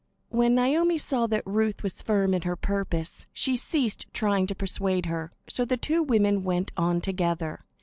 When Naomi saw that Ruth was firm in her purpose, she ceased trying to persuade her; so the two women went on together.